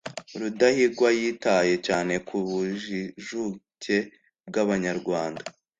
Rudahigwa yitaye cyane ku bujijuke bw’Abanyarwanda: